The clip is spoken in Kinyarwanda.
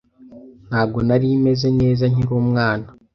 Ntabwo nari meze neza nkiri umwana.